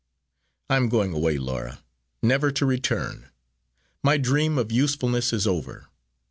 I am going away, Laura, never to return. My dream of usefulness is over.